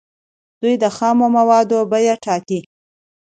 دوی د خامو موادو بیې ټاکي.